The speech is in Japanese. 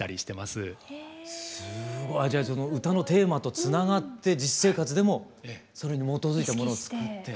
すごいじゃあその歌のテーマとつながって実生活でもそれに基づいたものを作って。